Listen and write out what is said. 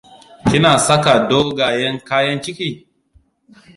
Kina saka dogayen kayan ciki?